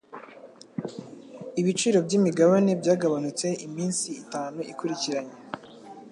Ibiciro byimigabane byagabanutse iminsi itanu ikurikiranye.